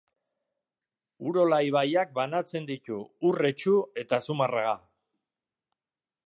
Urola ibaiak banatzen ditu Urretxu eta Zumarraga.